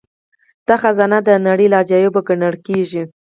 دا خزانه د نړۍ له عجايبو ګڼل کیږي